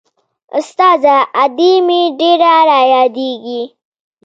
استاده ادې مې ډېره رايادېږي.